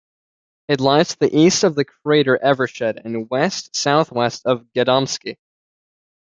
It lies to the east of the crater Evershed, and west-southwest of Gadomski.